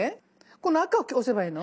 この赤を押せばいいの？